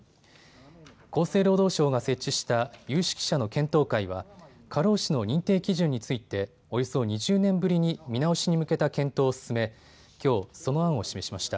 厚生労働省が設置した有識者の検討会は過労死の認定基準についておよそ２０年ぶりに見直しに向けた検討を進めきょう、その案を示しました。